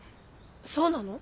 そうなの？